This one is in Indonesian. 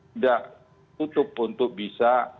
tidak tutup untuk bisa